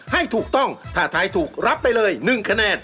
ให้ถูกต้องถ้าทายถูกรับไปเลย๑คะแนน